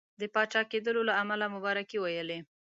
د پاچا کېدلو له امله مبارکي ویلې.